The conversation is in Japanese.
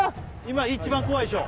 今一番怖い